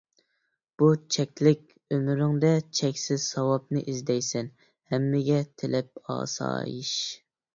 بۇ چەكلىك ئۆمرۈڭدە چەكسىز ساۋابنى، ئىزدەيسەن ھەممىگە تىلەپ ئاسايىش.